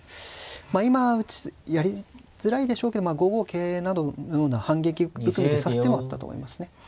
まあ今やりづらいでしょうけど５五桂などのような反撃含みで指す手もあったと思いますね。